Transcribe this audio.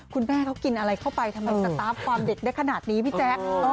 คุณแม่เขากินอะไรเข้าไปทำไมสตาร์ฟความเด็กได้ขนาดนี้พี่แจ๊ค